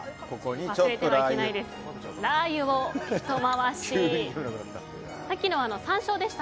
ラー油をひと回し。